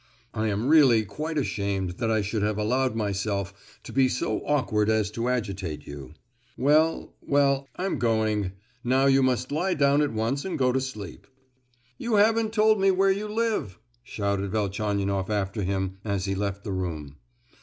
"I am really quite ashamed that I should have allowed myself to be so awkward as to agitate you. Well, well; I'm going! Now you must lie down at once and go to sleep." "You haven't told me where you live," shouted Velchaninoff after him as he left the room.